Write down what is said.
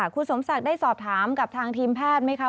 คุณสมศักดิ์ได้สอบถามกับทางทีมแพทย์ไหมคะ